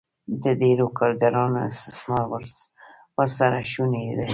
د ډېرو کارګرانو استثمار ورسره شونی دی